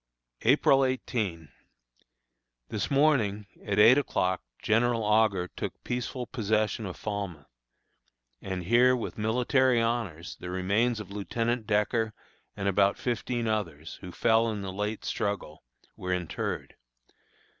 April 18. This morning, at eight o'clock, General Augur took peaceful possession of Falmouth; and here, with military honors, the remains of Lieutenant Decker and about fifteen others, who fell in the late struggle, were interred.